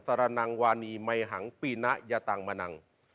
สรรนังวาหนีไหมหังปีนะยตังมานัง